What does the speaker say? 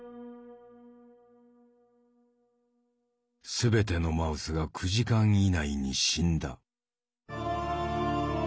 全てのマウスが９時間以内に死んだ。